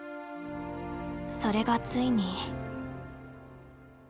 それがついに。